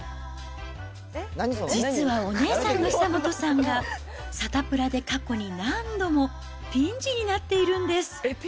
実はお姉さんの久本さんが、サタプラで過去に何度もピンチになっているんです。